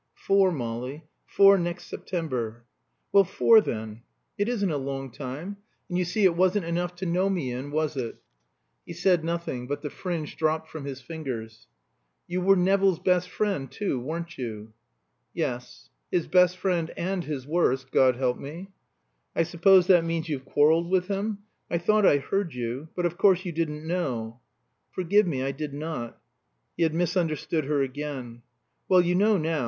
"Four, Molly four next September." "Well, four then. It isn't a long time. And you see it wasn't enough, to know me in, was it?" He said nothing; but the fringe dropped from his fingers. "You were Nevill's best friend too, weren't you?" "Yes. His best friend, and his worst, God help me!" "I suppose that means you've quarreled with him? I thought I heard you. But, of course, you didn't know." "Forgive me, I did not." He had misunderstood her again! "Well, you know now.